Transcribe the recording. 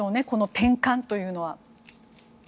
この転換というのは。